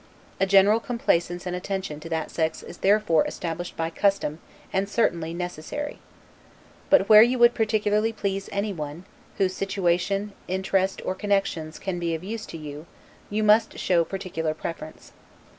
A general complaisance and attention to that sex is therefore established by custom, and certainly necessary. But where you would particularly please anyone, whose situation, interest, or connections, can be of use to you, you must show particular preference.